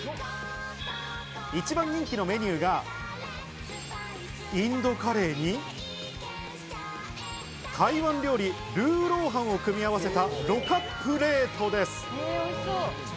一番人気のメニューがインドカレーに台湾料理・ルーローハンを組み合わせた、ろかプレートです。